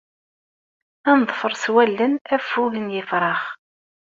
Ad neḍfer s wallen affug n yifrax.